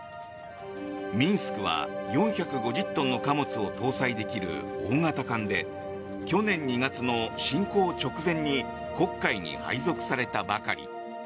「ミンスク」は４５０トンの貨物を搭載できる大型艦で去年２月の侵攻直前に黒海に配属されたばかり。